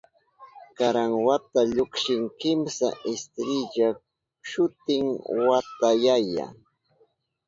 Karan wata llukshin kimsa istirilla, shutin wata yaya.